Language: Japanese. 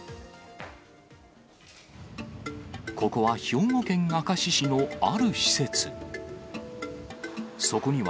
ここは兵庫県明石市のある施設。